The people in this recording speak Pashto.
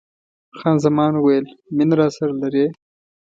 خان زمان وویل: مینه راسره لرې؟